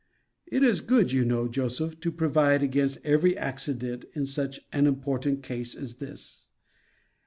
It is good, you know, Joseph, to provide against every accident in such an important case, as this.